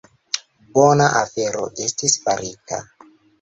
Bona afero estis farita.